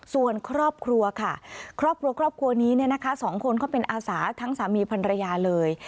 ส่วนครอบครัวค่ะครอบครัวครอบครัวนี้เนี่ยนะคะสองคนเขาเป็นอาสาทั้งสามีพันรยาเลย